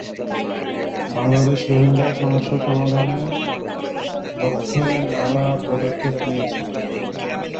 বাংলাদেশ রোহিঙ্গা সমস্যা সমাধানের লক্ষ্যে নানা পদক্ষেপ নিয়েছে।